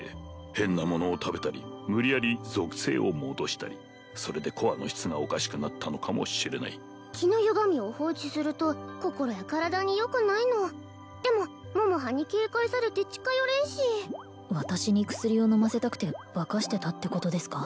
変なものを食べたり無理やり属性を戻したりそれでコアの質がおかしくなったのかもしれない気のゆがみを放置すると心や体によくないのでも桃はんに警戒されて近寄れんし私に薬を飲ませたくて化かしてたってことですか？